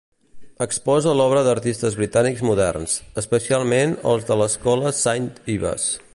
Exposa l'obra d'artistes britànics moderns, especialment els de l'escola Saint Ives.